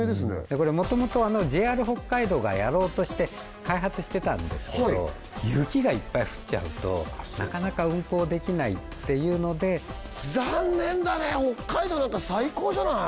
これもともとＪＲ北海道がやろうとして開発してたんですけど雪がいっぱい降っちゃうとなかなか運行できないっていうので残念だね北海道なんか最高じゃない？